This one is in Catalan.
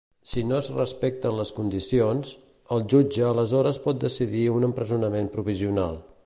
Si no es respecten les condicions, el jutge aleshores pot decidir un empresonament provisional.